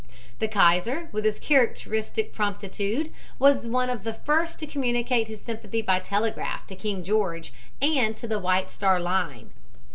The Kaiser, with his characteristic promptitude, was one of the first to communicate his sympathy by telegraph to King George and to the White Star Line.